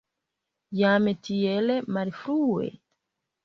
Jam tiel malfrue?